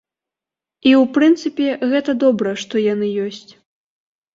І ў прынцыпе, гэта добра, што яны ёсць.